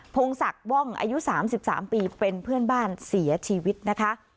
พงศักดิ์ว่องอายุ๓๓ปีเป็นเพื่อนบ้านเสียชีวิตนะคะ